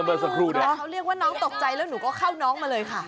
เมื่อสักครู่นะแต่เขาเรียกว่าน้องตกใจแล้วหนูก็เข้าน้องมาเลยค่ะ